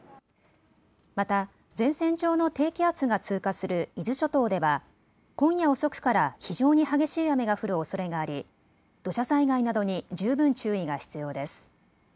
また前線上の低気圧が通過する伊豆諸島では今夜遅くから非常に激しい雨が降るおそれがあり土砂災害などに十分注意が必要です。